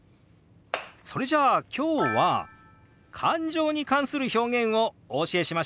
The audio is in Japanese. それじゃあ今日は感情に関する表現をお教えしましょう！